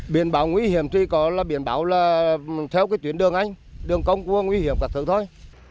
biển báo nguy hiểm thì có là biển báo là theo cái tuyến đường anh đường công cua nguy hiểm các thứ thôi